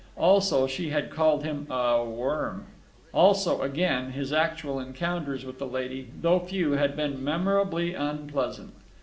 Also, she had called him a worm. Also, again, his actual encounters with the lady, though few, had been memorably unpleasant.